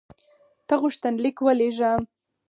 ته غوښتنلیک ولېږه.